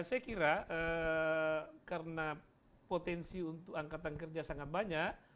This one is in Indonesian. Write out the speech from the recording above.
saya kira karena potensi untuk angkatan kerja sangat banyak